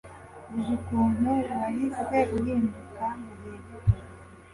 uzi ukuntu wahise uhinduka mugihe gito